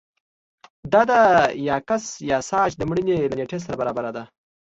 دا د یاکس یاساج د مړینې له نېټې سره برابره ده